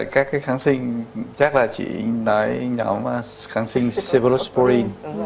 các cái kháng sinh chắc là chị nói nhóm kháng sinh cephalosporin